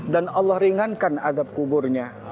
dan allah ringankan azab kuburnya